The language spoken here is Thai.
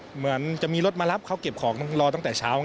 เหมือนจะมีรถมารับเขาเก็บของรอตั้งแต่เช้า